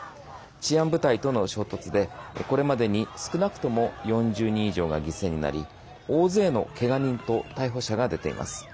治安部隊との衝突でこれまでに少なくとも４０人以上が犠牲になり大勢のけが人と逮捕者が出ています。